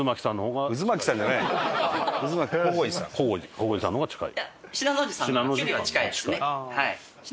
こごいさんの方が近い？